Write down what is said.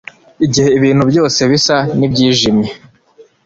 igihe ibintu byose bisa nibyijimye